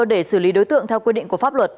để xử lý đối tượng theo quy định của pháp luật